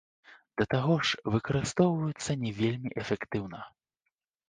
Да таго ж, выкарыстоўваюцца не вельмі эфектыўна.